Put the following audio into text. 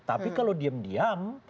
tapi kalau diam diam